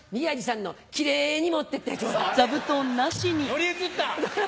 乗り移った！